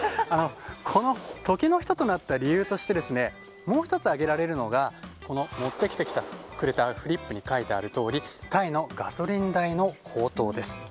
この時の人となった理由としてもう１つ挙げられるのが持ってきてくれたフリップに書いてあるとおりタイのガソリン代の高騰です。